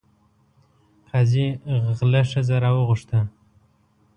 قاضي غله ښځه راوغوښته.